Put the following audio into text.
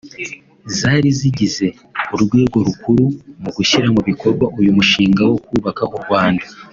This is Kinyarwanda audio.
Zari zigize urwego rukuru mu gushyira mu bikorwa uyu mushinga wo kubaka u Rwanda